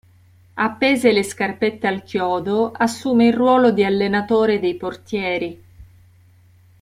Appese le scarpette al chiodo, assume il ruolo di allenatore dei portieri.